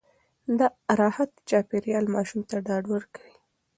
راحت چاپېريال ماشوم ته ډاډ ورکوي.